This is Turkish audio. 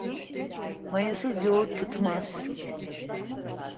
Mayasız yoğurt tutmaz.